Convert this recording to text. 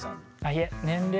いえ年齢は。